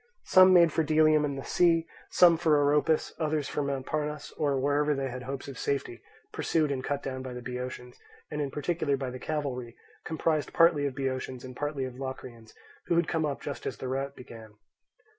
Some made for Delium and the sea, some for Oropus, others for Mount Parnes, or wherever they had hopes of safety, pursued and cut down by the Boeotians, and in particular by the cavalry, composed partly of Boeotians and partly of Locrians, who had come up just as the rout began.